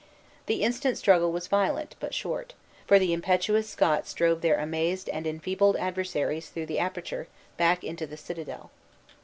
The instant struggle was violent, but short; for the impetuous Scots drove their amazed and enfeebled adversaries through the aperture, back into the citadel.